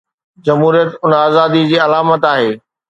جمهوريت ان آزادي جي علامت آهي.